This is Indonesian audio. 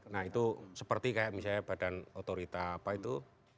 nah itu seperti kayak misalnya badan otorita apa itu